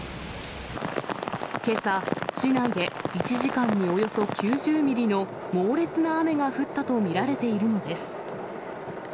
けさ、市内で１時間におよそ９０ミリの猛烈な雨が降ったと見られているのです。